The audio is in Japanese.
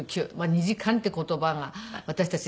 ２時間っていう言葉が私たち